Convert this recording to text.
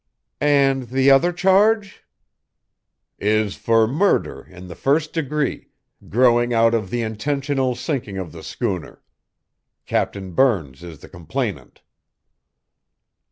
"And the other charge?" "Is for murder in the first degree, growing out of the intentional sinking of the schooner. Captain Burns is the complainant."